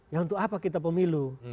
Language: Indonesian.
ya untuk apa kita pemilu